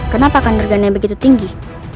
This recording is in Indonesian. kenapa kandergana begitu tinggi